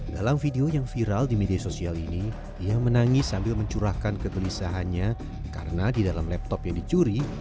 dalam video yang viral di media sosial ini ia menangis sambil mencurahkan kegelisahannya karena di dalam laptop yang dicuri